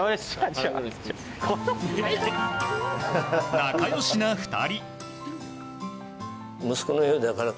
仲良しな２人。